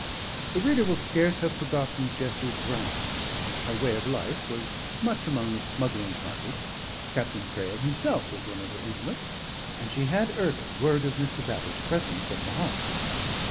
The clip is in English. The reader will scarce have forgotten Jessie Broun; her way of life was much among the smuggling party; Captain Crail himself was of her intimates; and she had early word of Mr. Bally's presence at the house.